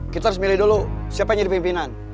kita harus milih dulu siapa yang jadi pimpinan